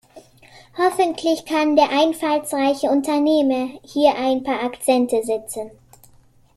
Hoffentlich kann der einfallsreiche Unternehmer hier ein paar Akzente setzen.